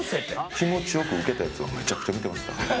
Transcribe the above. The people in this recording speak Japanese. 気持ちよくウケたやつをめちゃくちゃ見てました。